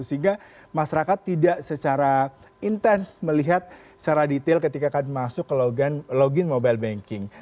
sehingga masyarakat tidak secara intens melihat secara detail ketika akan masuk ke login mobile banking